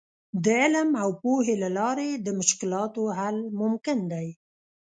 د علم او پوهې له لارې د مشکلاتو حل ممکن دی.